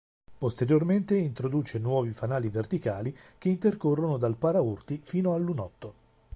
Posteriormente introduce nuovi fanali verticali che intercorrono dal paraurti fino al lunotto.